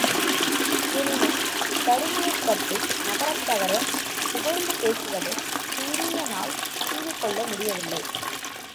எனினும் தருமனைப்பற்றி நகரத்தவர் புகழ்ந்து பேசுவதைத் துரியனால் தாங்கிக் கொள்ள முடியவில்லை.